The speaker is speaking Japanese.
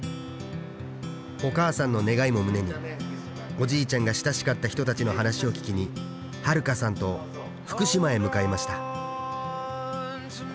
お母さんの願いも胸におじいちゃんが親しかった人たちの話を聞きにはるかさんと福島へ向かいました